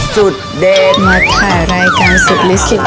พอให้เจอในรายการของโพธิหอัตรัชน์